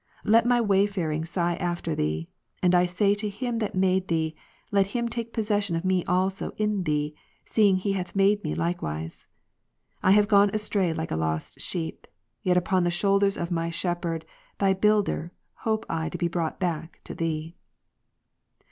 Let my wayfaring sigh after thee ; and I say to Him that made thee, let Him take possession of me also in Ps. 119, thee, seeing He hath made me likewise. / have gone astray ■ like a lost sheep : yet upon the shoulders of my Shepherd, 5. ' thy builder, hope I to be brought back to thee.